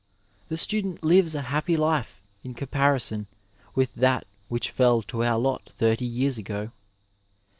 The student lives a happy life in comparison with that which fell to our lot thirty years ago.